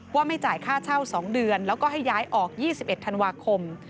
ว่าไม่จ่ายค่าเช่า๒เดือนแล้วก็ให้ย้ายออก๒๑ธันวาคม